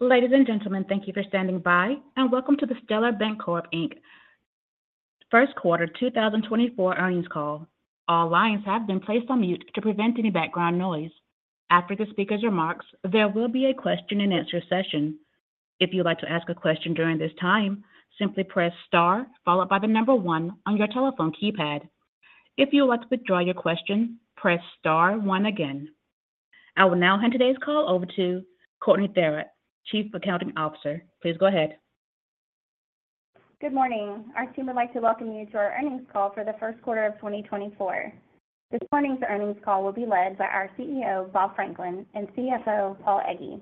Ladies and gentlemen, thank you for standing by, and welcome to the Stellar Bancorp, Inc. First Quarter 2024 earnings call. All lines have been placed on mute to prevent any background noise. After the speaker's remarks, there will be a question-and-answer session. If you'd like to ask a question during this time, simply press star followed by the number one on your telephone keypad. If you would like to withdraw your question, press star one again. I will now hand today's call over to Courtney Theriot, Chief Accounting Officer. Please go ahead. Good morning. Our team would like to welcome you to our earnings call for the first quarter of 2024. This morning's earnings call will be led by our CEO, Bob Franklin, and CFO, Paul Egge.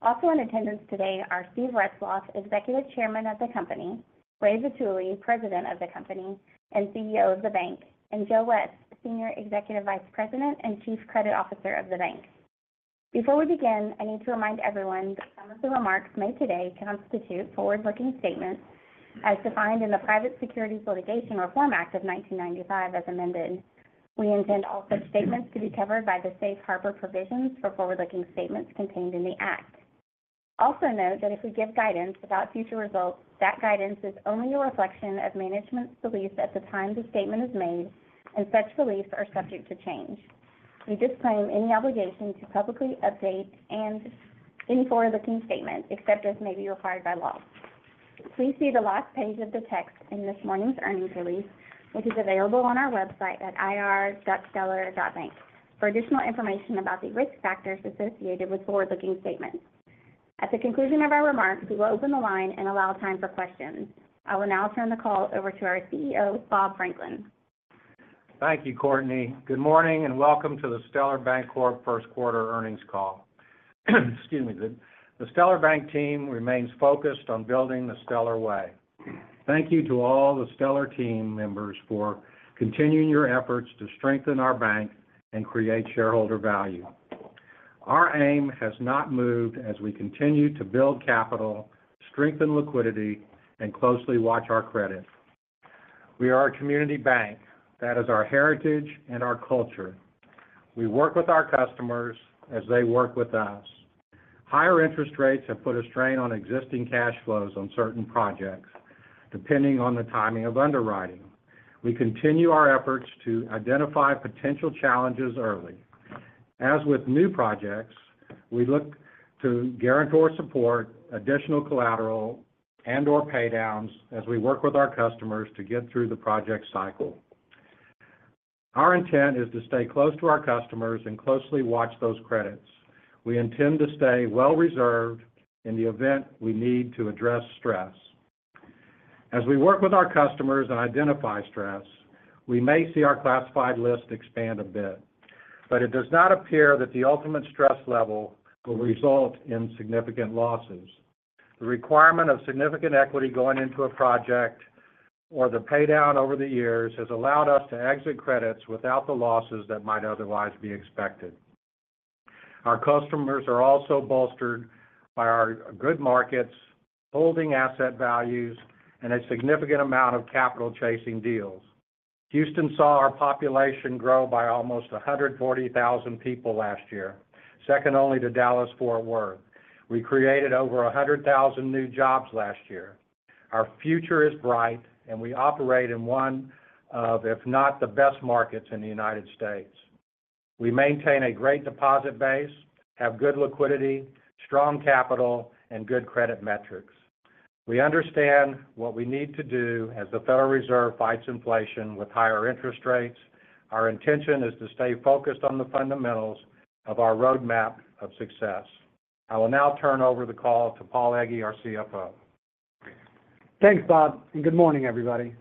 Also in attendance today are Steve Retzloff, Executive Chairman of the company; Ray Vitulli, President of the company and CEO of the bank; and Joe West, Senior Executive Vice President and Chief Credit Officer of the bank. Before we begin, I need to remind everyone that some of the remarks made today constitute forward-looking statements as defined in the Private Securities Litigation Reform Act of 1995, as amended. We intend all such statements to be covered by the safe harbor provisions for forward-looking statements contained in the Act. Also note that if we give guidance about future results, that guidance is only a reflection of management's belief at the time the statement is made, and such beliefs are subject to change. We disclaim any obligation to publicly update and any forward-looking statement, except as may be required by law. Please see the last page of the text in this morning's earnings release, which is available on our website at ir.stellar.bank, for additional information about the risk factors associated with forward-looking statements. At the conclusion of our remarks, we will open the line and allow time for questions. I will now turn the call over to our CEO, Bob Franklin. Thank you, Courtney. Good morning, and welcome to the Stellar Bancorp first quarter earnings call. Excuse me. The Stellar Bank team remains focused on building the Stellar way. Thank you to all the Stellar team members for continuing your efforts to strengthen our bank and create shareholder value. Our aim has not moved as we continue to build capital, strengthen liquidity, and closely watch our credit. We are a community bank. That is our heritage and our culture. We work with our customers as they work with us. Higher interest rates have put a strain on existing cash flows on certain projects, depending on the timing of underwriting. We continue our efforts to identify potential challenges early. As with new projects, we look to guarantor support, additional collateral, and/or paydowns as we work with our customers to get through the project cycle. Our intent is to stay close to our customers and closely watch those credits. We intend to stay well reserved in the event we need to address stress. As we work with our customers and identify stress, we may see our classified list expand a bit, but it does not appear that the ultimate stress level will result in significant losses. The requirement of significant equity going into a project or the paydown over the years has allowed us to exit credits without the losses that might otherwise be expected. Our customers are also bolstered by our good markets, holding asset values, and a significant amount of capital chasing deals. Houston saw our population grow by almost 140,000 people last year, second only to Dallas-Fort Worth. We created over 100,000 new jobs last year. Our future is bright, and we operate in one of, if not, the best markets in the United States. We maintain a great deposit base, have good liquidity, strong capital, and good credit metrics. We understand what we need to do as the Federal Reserve fights inflation with higher interest rates. Our intention is to stay focused on the fundamentals of our roadmap of success. I will now turn over the call to Paul Egge, our CFO. Thanks, Bob, and good morning, everybody.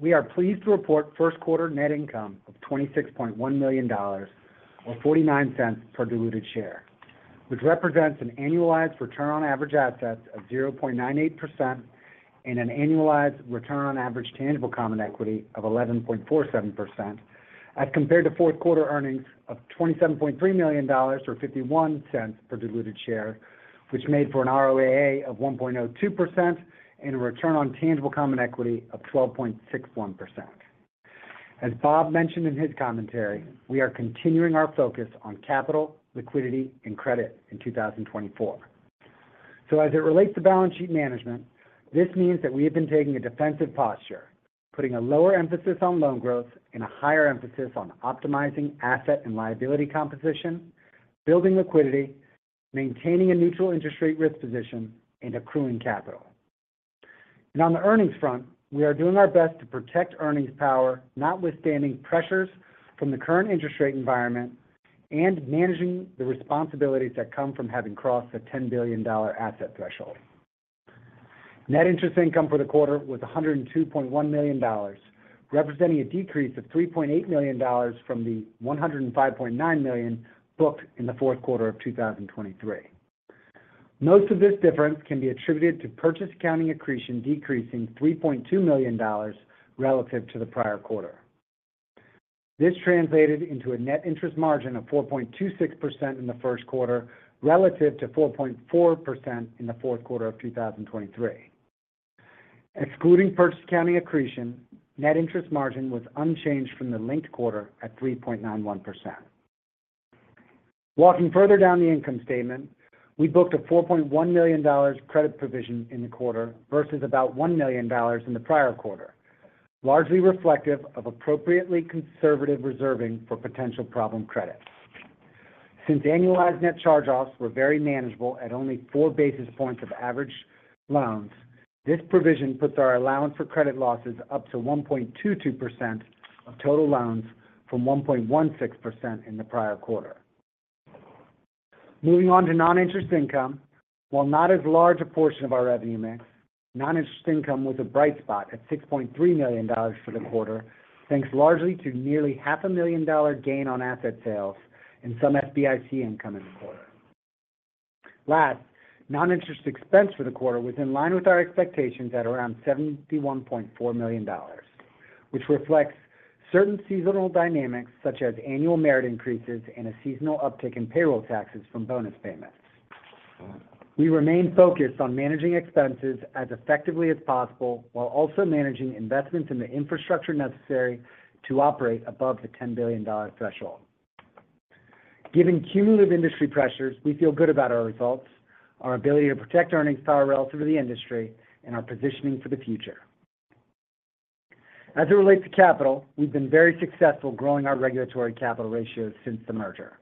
We are pleased to report first quarter net income of $26.1 million or $0.49 per diluted share, which represents an annualized return on average assets of 0.98% and an annualized return on average tangible common equity of 11.47%, as compared to fourth quarter earnings of $27.3 million or $0.51 per diluted share, which made for an ROAA of 1.02% and a return on tangible common equity of 12.61%. As Bob mentioned in his commentary, we are continuing our focus on capital, liquidity, and credit in 2024. As it relates to balance sheet management, this means that we have been taking a defensive posture, putting a lower emphasis on loan growth and a higher emphasis on optimizing asset and liability composition, building liquidity, maintaining a neutral interest rate risk position, and accruing capital. On the earnings front, we are doing our best to protect earnings power, notwithstanding pressures from the current interest rate environment and managing the responsibilities that come from having crossed the $10 billion asset threshold. Net interest income for the quarter was $102.1 million, representing a decrease of $3.8 million from the $105.9 million booked in the fourth quarter of 2023. Most of this difference can be attributed to purchase accounting accretion decreasing $3.2 million relative to the prior quarter. This translated into a net interest margin of 4.26% in the first quarter, relative to 4.4% in the fourth quarter of 2023. Excluding purchase accounting accretion, net interest margin was unchanged from the linked quarter at 3.91%. Walking further down the income statement, we booked a $4.1 million credit provision in the quarter versus about $1 million in the prior quarter, largely reflective of appropriately conservative reserving for potential problem credit. Since annualized net charge-offs were very manageable at only 4 basis points of average loans, this provision puts our allowance for credit losses up to 1.22% of total loans from 1.16% in the prior quarter. Moving on to non-interest income. While not as large a portion of our revenue mix, non-interest income was a bright spot at $6.3 million for the quarter, thanks largely to nearly $500,000 gain on asset sales and some SBIC income in the quarter. Last, non-interest expense for the quarter was in line with our expectations at around $71.4 million, which reflects certain seasonal dynamics, such as annual merit increases and a seasonal uptick in payroll taxes from bonus payments. We remain focused on managing expenses as effectively as possible, while also managing investments in the infrastructure necessary to operate above the $10 billion threshold. Given cumulative industry pressures, we feel good about our results, our ability to protect our earnings power relative to the industry, and our positioning for the future. As it relates to capital, we've been very successful growing our regulatory capital ratios since the merger.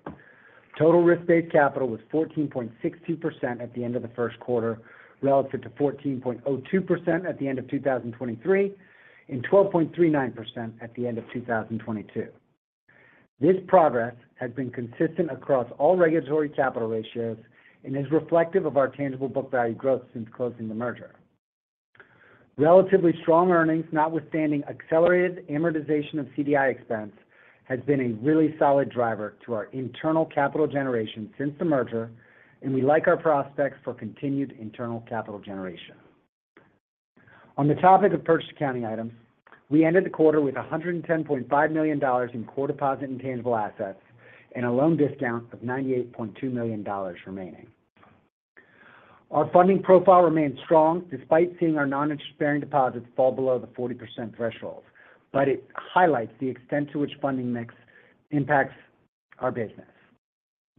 Total risk-based capital was 14.60% at the end of the first quarter, relative to 14.02% at the end of 2023, and 12.39% at the end of 2022. This progress has been consistent across all regulatory capital ratios and is reflective of our tangible book value growth since closing the merger. Relatively strong earnings, notwithstanding accelerated amortization of CDI expense, has been a really solid driver to our internal capital generation since the merger, and we like our prospects for continued internal capital generation. On the topic of purchase accounting items, we ended the quarter with $110.5 million in core deposit and tangible assets, and a loan discount of $98.2 million remaining. Our funding profile remains strong despite seeing our non-interest-bearing deposits fall below the 40% threshold, but it highlights the extent to which funding mix impacts our business.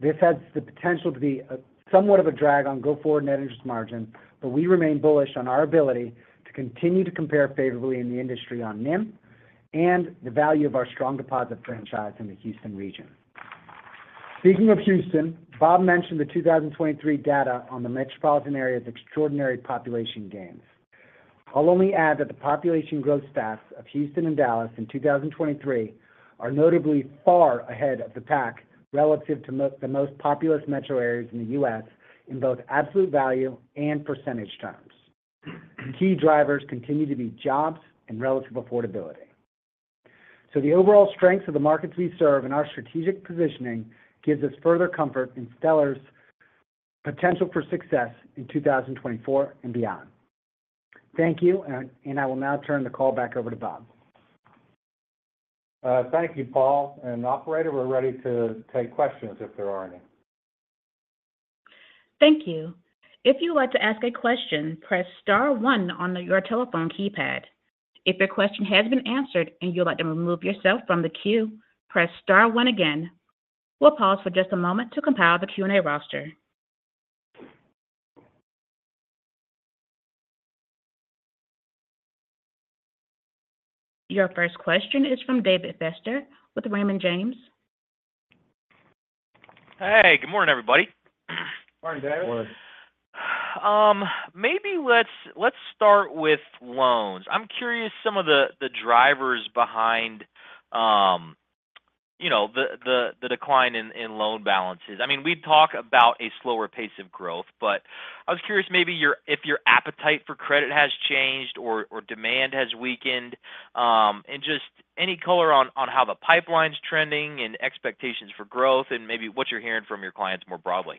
This has the potential to be a somewhat of a drag on go-forward net interest margin, but we remain bullish on our ability to continue to compare favorably in the industry on NIM and the value of our strong deposit franchise in the Houston region. Speaking of Houston, Bob mentioned the 2023 data on the metropolitan area's extraordinary population gains. I'll only add that the population growth stats of Houston and Dallas in 2023 are notably far ahead of the pack relative to the most populous metro areas in the U.S. in both absolute value and percentage terms. Key drivers continue to be jobs and relative affordability. So the overall strength of the markets we serve and our strategic positioning gives us further comfort in Stellar's potential for success in 2024 and beyond. Thank you, and I will now turn the call back over to Bob. Thank you, Paul, and Operator, we're ready to take questions if there are any. Thank you. If you would like to ask a question, press star one on your telephone keypad. If your question has been answered and you'd like to remove yourself from the queue, press star one again. We'll pause for just a moment to compile the Q&A roster. Your first question is from David Feaster with Raymond James. Hey, good morning, everybody. Morning, David. Morning. Maybe let's start with loans. I'm curious, some of the drivers behind, you know, the decline in loan balances. I mean, we talk about a slower pace of growth, but I was curious maybe your—if your appetite for credit has changed or demand has weakened. And just any color on how the pipeline's trending and expectations for growth, and maybe what you're hearing from your clients more broadly?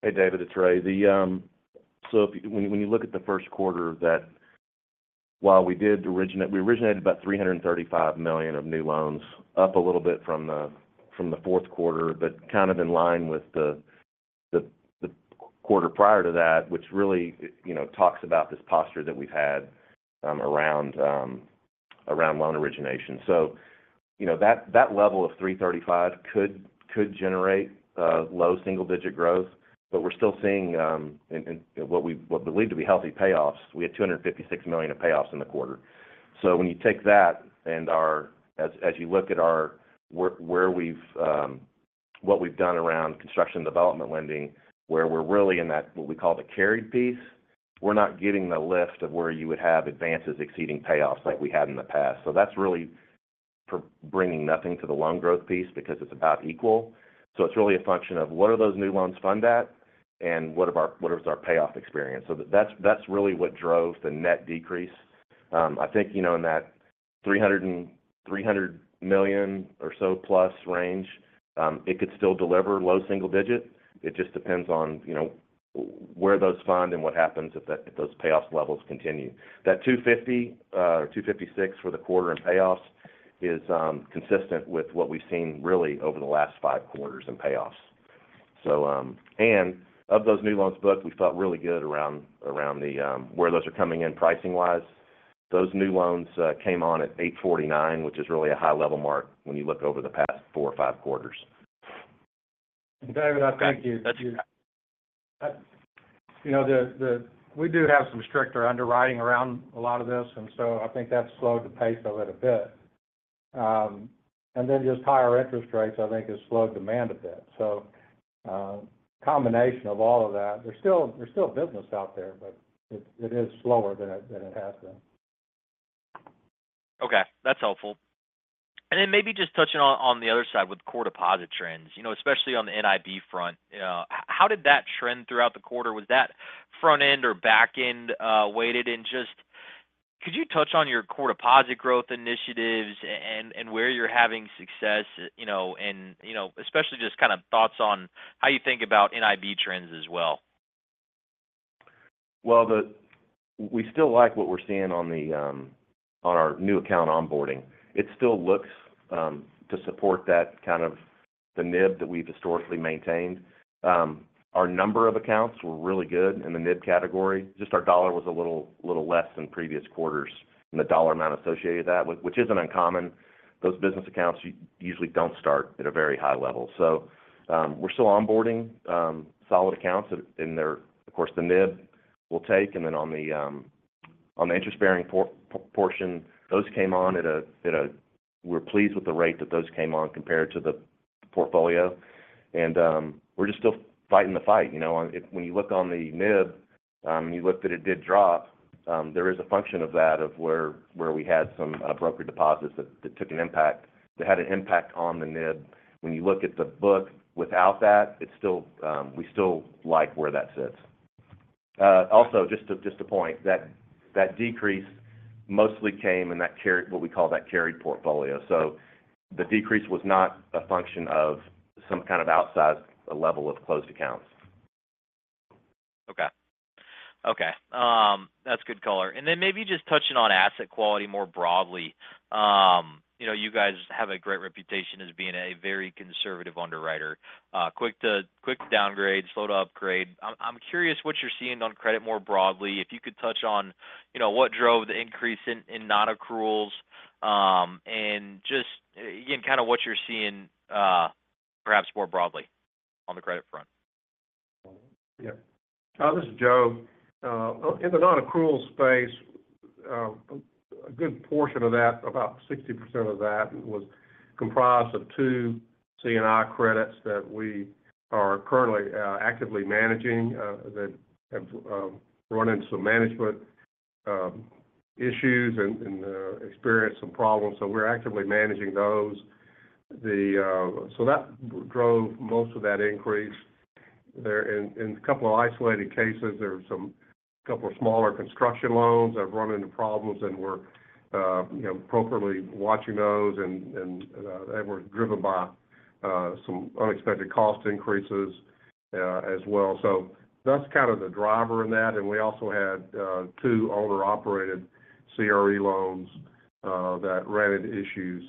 Hey, David, it's Ray. So when you look at the first quarter that while we did originate, we originated about $335 million of new loans, up a little bit from the fourth quarter, but kind of in line with the quarter prior to that, which really, you know, talks about this posture that we've had around loan origination. So you know, that level of 335 could generate low single-digit growth, but we're still seeing and what we believe to be healthy payoffs. We had $256 million of payoffs in the quarter. So when you take that and, as you look at what we've done around construction development lending, where we're really in that, what we call the carried piece, we're not getting the lift of where you would have advances exceeding payoffs like we had in the past. So that's really for bringing nothing to the loan growth piece because it's about equal. So it's really a function of what are those new loans fund at, and what is our payoff experience? So that's really what drove the net decrease. I think, you know, in that $300-$300 million or so plus range, it could still deliver low single digit. It just depends on, you know, where those fund and what happens if those payoff levels continue. That 250, 256 for the quarter in payoffs is consistent with what we've seen really over the last five quarters in payoffs. So, and of those new loans booked, we felt really good around, around the where those are coming in pricing-wise. Those new loans came on at 8.49, which is really a high-level mark when you look over the past four or five quarters. David, I think you know, we do have some stricter underwriting around a lot of this, and so I think that slowed the pace of it a bit. And then just higher interest rates, I think, has slowed demand a bit. So, combination of all of that, there's still business out there, but it is slower than it has been. Okay, that's helpful. And then maybe just touching on the other side with core deposit trends, you know, especially on the NIB front, how did that trend throughout the quarter? Was that front end or back end weighted? And just could you touch on your core deposit growth initiatives and where you're having success, you know, and especially just kind of thoughts on how you think about NIB trends as well? Well, we still like what we're seeing on our new account onboarding. It still looks to support that kind of the NIB that we've historically maintained. Our number of accounts were really good in the NIB category. Just our dollar was a little less than previous quarters, and the dollar amount associated that, which isn't uncommon. Those business accounts usually don't start at a very high level. So, we're still onboarding solid accounts, and they're, of course, the NIB will take, and then on the interest-bearing portion, those came on at a. We're pleased with the rate that those came on compared to the portfolio. And, we're just still fighting the fight, you know. When you look on the NIB, and you look that it did drop, there is a function of that, of where, where we had some broker deposits that, that took an impact, that had an impact on the NIB. When you look at the book without that, it's still, we still like where that sits. Also, just to point, that decrease mostly came in that carried, what we call that carried portfolio. So the decrease was not a function of some kind of outsized level of closed accounts. Okay. Okay, that's good color. And then maybe just touching on asset quality more broadly. You know, you guys have a great reputation as being a very conservative underwriter, quick to downgrade, slow to upgrade. I'm curious what you're seeing on credit more broadly. If you could touch on, you know, what drove the increase in non-accruals, and just, again, kind of what you're seeing, perhaps more broadly on the credit front. Yeah. This is Joe. In the non-accrual space, a good portion of that, about 60% of that, was comprised of two C&I credits that we are currently actively managing that have run into some management issues and experienced some problems. So we're actively managing those. So that drove most of that increase. In a couple of isolated cases, there were some couple of smaller construction loans that have run into problems, and we're you know, appropriately watching those and they were driven by some unexpected cost increases as well. So that's kind of the driver in that, and we also had two owner-operated CRE loans that ran into issues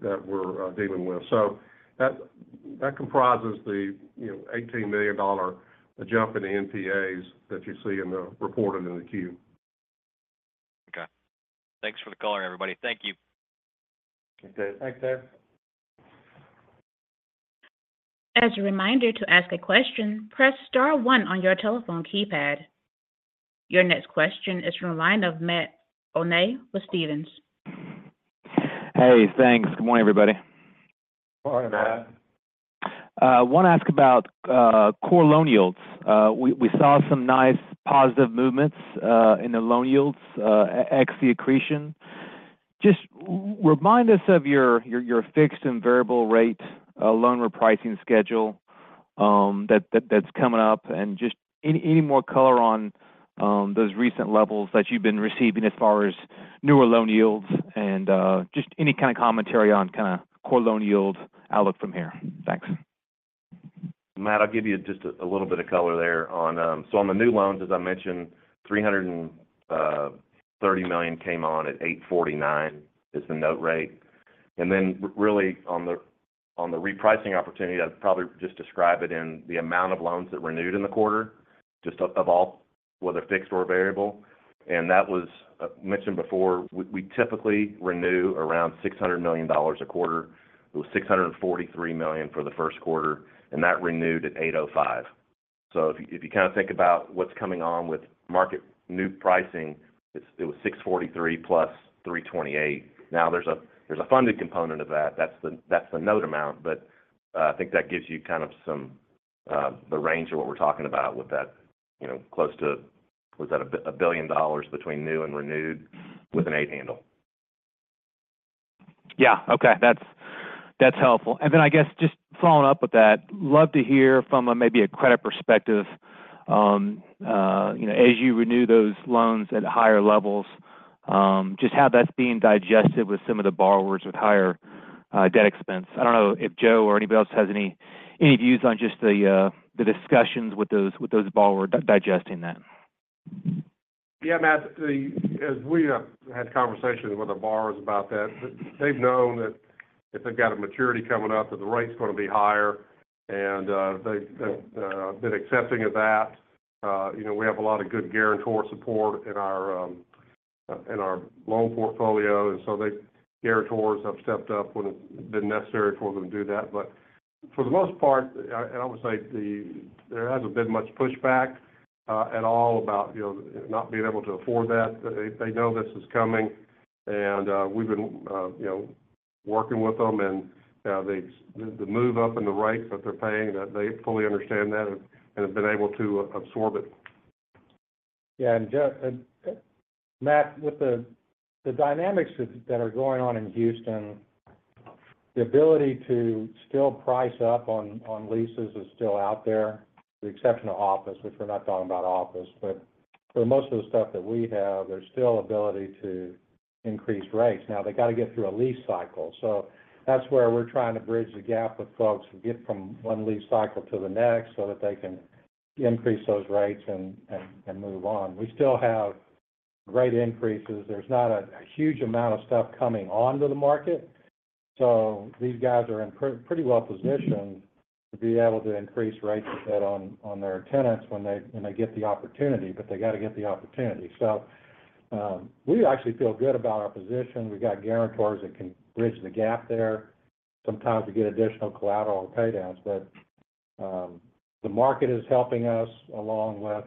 that we're dealing with. So that comprises the, you know, $18 million jump in the NPAs that you see in the—reported in the Q. Okay. Thanks for the color, everybody. Thank you. Okay. Thanks, Dave. As a reminder, to ask a question, press star one on your telephone keypad. Your next question is from the line of Matt Olney with Stephens. Hey, thanks. Good morning, everybody. Morning, Matt. Want to ask about core loan yields. We saw some nice positive movements in the loan yields ex the accretion. Just remind us of your fixed and variable rate loan repricing schedule that's coming up, and just any more color on those recent levels that you've been receiving as far as newer loan yields and just any kind of commentary on kind of core loan yield outlook from here. Thanks. Matt, I'll give you just a little bit of color there on. So on the new loans, as I mentioned, $330 million came on at 8.49, is the note rate. And then really, on the repricing opportunity, I'd probably just describe it in the amount of loans that renewed in the quarter, of all, whether fixed or variable, and that was mentioned before. We typically renew around $600 million a quarter. It was $643 million for the first quarter, and that renewed at 8.05. So if you kind of think about what's coming on with market new pricing, it was 643 + 328. Now, there's a funding component of that, that's the note amount, but I think that gives you kind of the range of what we're talking about with that, you know, close to, what's that? $1 billion between new and renewed with an eight handle. Yeah. Okay. That's helpful. And then I guess just following up with that, love to hear from maybe a credit perspective, you know, as you renew those loans at higher levels, just how that's being digested with some of the borrowers with higher debt expense. I don't know if Joe or anybody else has any views on just the discussions with those borrowers digesting that? Yeah, Matt, as we had conversations with the borrowers about that, they've known that if they've got a maturity coming up, that the rate's gonna be higher, and, they've been accepting of that. You know, we have a lot of good guarantor support in our, in our loan portfolio, and so the guarantors have stepped up when it's been necessary for them to do that. But for the most part, and I would say there hasn't been much pushback, at all about, you know, not being able to afford that. They, they know this is coming, and, we've been, you know, working with them, and, the move up in the rates that they're paying, that they fully understand that and, have been able to absorb it. Yeah, and Matt, with the dynamics that are going on in Houston, the ability to still price up on leases is still out there, with the exception of office, which we're not talking about office. But for most of the stuff that we have, there's still ability to increase rates. Now, they got to get through a lease cycle, so that's where we're trying to bridge the gap with folks to get from one lease cycle to the next, so that they can increase those rates and move on. We still have rate increases. There's not a huge amount of stuff coming onto the market, so these guys are in pretty well positioned to be able to increase rates set on their tenants when they get the opportunity, but they got to get the opportunity. So, we actually feel good about our position. We've got guarantors that can bridge the gap there. Sometimes we get additional collateral pay downs, but, the market is helping us, along with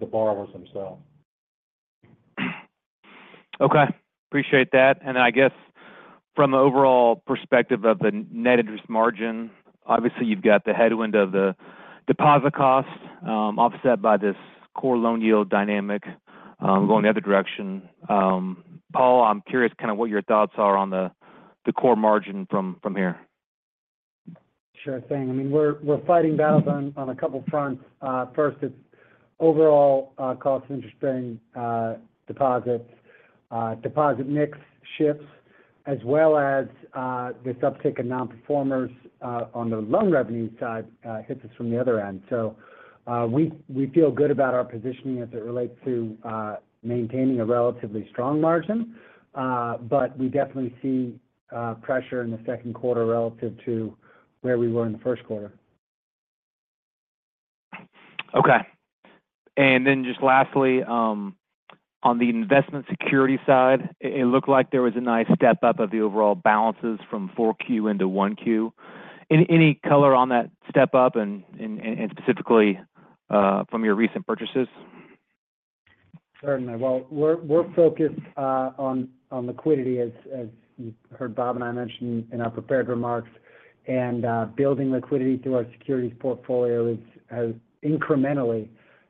the borrowers themselves. Okay, appreciate that. And then, I guess, from the overall perspective of the net interest margin, obviously, you've got the headwind of the deposit costs, offset by this core loan yield dynamic, going the other direction. Paul, I'm curious kind of what your thoughts are on the core margin from here? Sure thing. I mean, we're fighting battles on a couple fronts. First, it's overall cost of interest deposits. Deposit mix shifts, as well as this uptick in nonperformers on the loan revenue side hits us from the other end. So, we feel good about our positioning as it relates to maintaining a relatively strong margin. But we definitely see pressure in the second quarter relative to where we were in the first quarter. Okay. And then just lastly, on the investment security side, it looked like there was a nice step up of the overall balances from 4Q into 1Q. Any color on that step up and specifically from your recent purchases? Certainly. Well, we're focused on liquidity, as you heard Bob and I mention in our prepared remarks. And building liquidity through our securities portfolio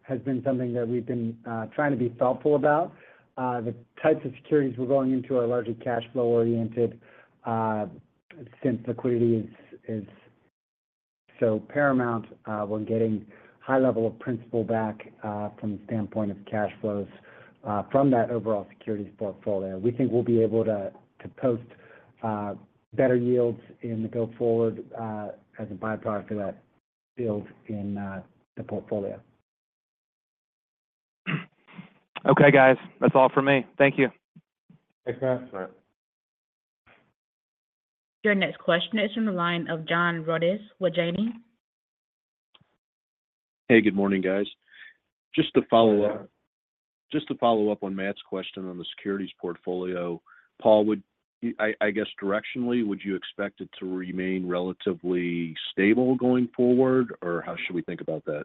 has incrementally been something that we've been trying to be thoughtful about. The types of securities we're going into are largely cash flow oriented. Since liquidity is so paramount, we're getting high level of principal back from the standpoint of cash flows from that overall securities portfolio. We think we'll be able to post better yields in the go forward as a by-product of that build in the portfolio. Okay, guys. That's all for me. Thank you. Thanks, Matt. All right. Your next question is from the line of John Rodis with Janney. Hey, good morning, guys. Just to follow up on Matt's question on the securities portfolio. Paul, would I, I guess directionally, would you expect it to remain relatively stable going forward, or how should we think about that?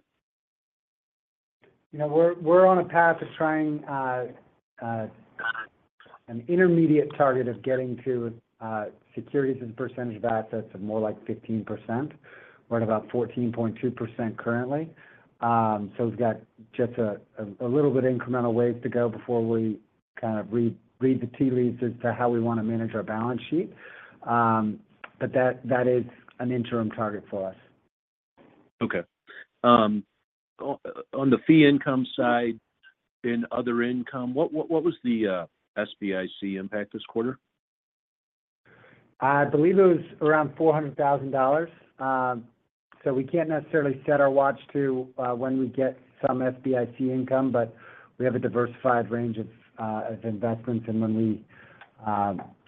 You know, we're on a path of trying an intermediate target of getting to securities as a percentage of assets of more like 15%. We're at about 14.2% currently. So we've got just a little bit incremental ways to go before we kind of read the tea leaves as to how we want to manage our balance sheet. But that is an interim target for us. Okay. On the fee income side in other income, what was the SBIC impact this quarter? I believe it was around $400,000. So we can't necessarily set our watch to when we get some SBIC income, but we have a diversified range of investments, and when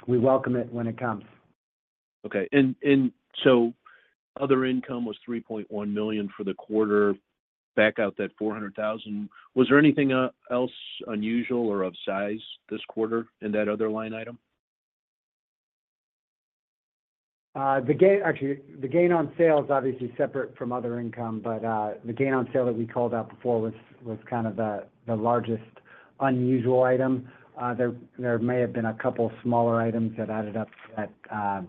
we welcome it when it comes. Okay. So other income was $3.1 million for the quarter, back out that $400,000. Was there anything else unusual or of size this quarter in that other line item? The gain, actually, the gain on sale is obviously separate from other income, but the gain on sale that we called out before was kind of the largest unusual item. There may have been a couple smaller items that added up to that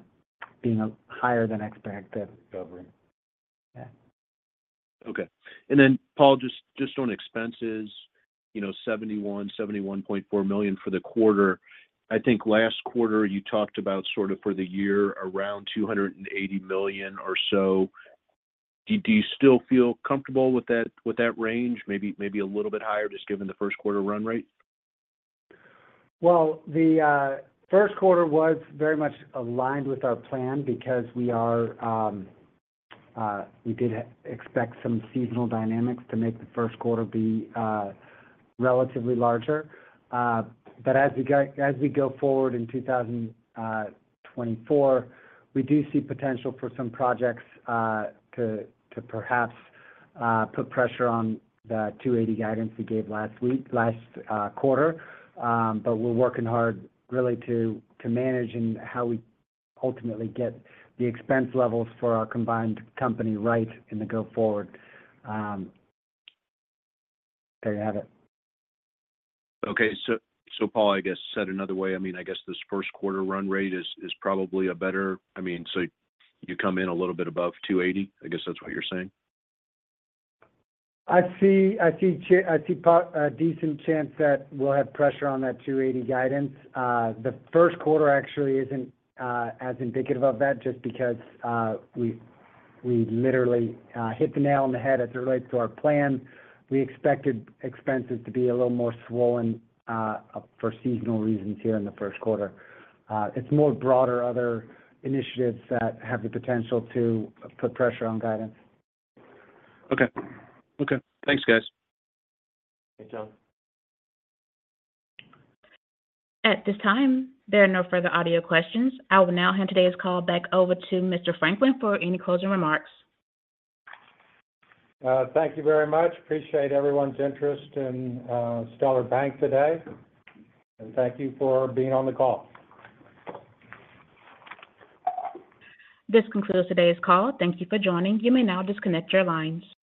being higher than expected. Yeah. Okay. And then, Paul, just on expenses, you know, $71.4 million for the quarter. I think last quarter you talked about sort of for the year, around $280 million or so. Do you still feel comfortable with that, with that range? Maybe a little bit higher, just given the first quarter run rate. Well, the first quarter was very much aligned with our plan because we are, we did expect some seasonal dynamics to make the first quarter be relatively larger. But as we go forward in 2024, we do see potential for some projects to perhaps put pressure on the 280 guidance we gave last week, last quarter. But we're working hard really to manage and how we ultimately get the expense levels for our combined company right in the go forward. There you have it. Okay. So Paul, I guess, said another way, I mean, I guess this first quarter run rate is probably a better... I mean, so you come in a little bit above 280. I guess that's what you're saying? I see a decent chance that we'll have pressure on that 280 guidance. The first quarter actually isn't as indicative of that, just because we literally hit the nail on the head as it relates to our plan. We expected expenses to be a little more swollen for seasonal reasons here in the first quarter. It's more broader other initiatives that have the potential to put pressure on guidance. Okay. Okay. Thanks, guys. Thanks, John. At this time, there are no further audio questions. I will now hand today's call back over to Mr. Franklin for any closing remarks. Thank you very much. Appreciate everyone's interest in Stellar Bank today, and thank you for being on the call. This concludes today's call. Thank you for joining. You may now disconnect your lines.